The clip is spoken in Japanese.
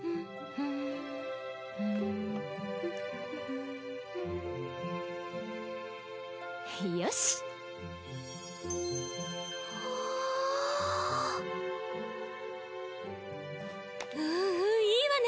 うんうんいいわね